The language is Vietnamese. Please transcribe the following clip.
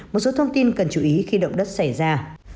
một số thông tin cần chú ý khi động đất xảy ra